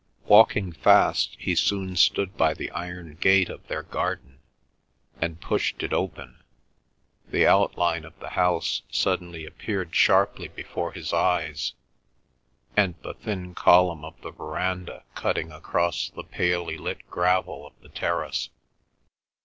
Walking fast, he soon stood by the iron gate of their garden, and pushed it open; the outline of the house suddenly appeared sharply before his eyes, and the thin column of the verandah cutting across the palely lit gravel of the terrace.